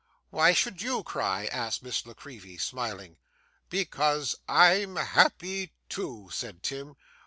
'Why should you cry?' asked Miss La Creevy, smiling. 'Because I'm happy too,' said Tim.